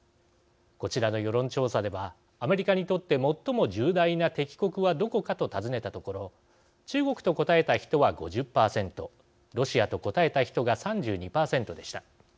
こちらの世論調査ではアメリカにとって最も重大な敵国はどこかと尋ねたところ中国と答えた人は５０％ロシアと答えた人が３２％でした。